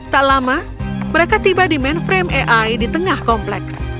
tak lama mereka tiba di mainframe ai di tengah kompleks